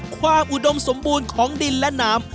อุดมสมบูรณ์ของดินและน้ำ